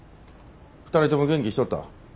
２人とも元気しとった？